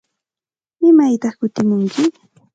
¿Imaytaq kutimunki?